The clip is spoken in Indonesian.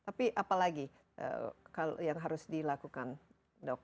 tapi apalagi yang harus dilakukan dok